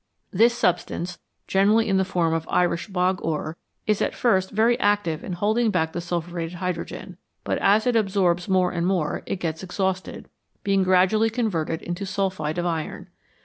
This substance, generally in the form of Irish bog ore, is at first very active in holding back the sulphuretted hydrogen, but as it absorbs more and more it gets exhausted, being gradually converted into sulphide of iron.